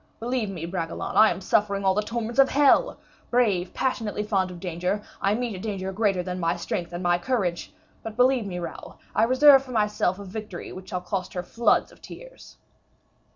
Believe me, Bragelonne, I am suffering all the torments of hell; brave, passionately fond of danger, I meet a danger greater than my strength and my courage. But, believe me, Raoul, I reserve for myself a victory which shall cost her floods of tears."